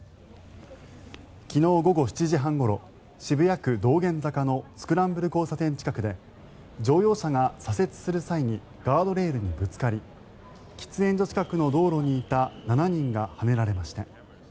昨日、午後７時半ごろ渋谷区道玄坂のスクランブル交差点近くで乗用車が左折する際にガードレールにぶつかり喫煙所近くの道路にいた７人がはねられました。